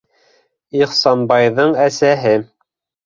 Ихсанбайҙың әсәһе...